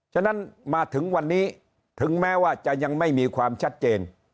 ฉะนั้นมาถึงวันนี้ถึงแม้ว่าจะยังไม่มีความชัดเจน